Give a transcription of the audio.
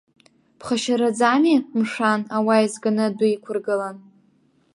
Ԥхашьараӡами, мшәан, ауаа еизганы адәы иқәыргылан.